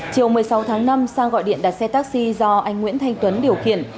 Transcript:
chiều một mươi sáu tháng năm sang gọi điện đặt xe taxi do anh nguyễn thanh tuấn điều khiển